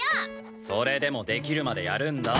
それでもできるまでやるんだ。